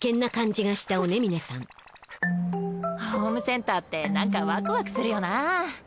ホームセンターってなんかワクワクするよなぁ。